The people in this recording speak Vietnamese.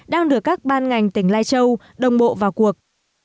đang được các ban ngành tỉnh lai châu đồng bộ vào cuộc